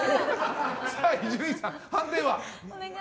伊集院さん、判定は？